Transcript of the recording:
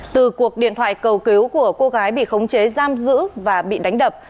từ cuộc điện thoại cầu cứu của cô gái bị khống chế giam giữ và bị đánh đập